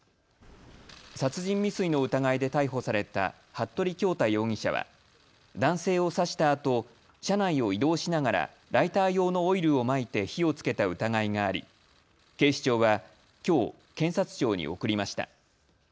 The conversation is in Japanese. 殺人未遂の疑いで逮捕された服部恭太容疑者は男性を刺したあと車内を移動しながらライター用のオイルをまいて火をつけた疑いがあり、警視庁はきょう、検察庁に送りました。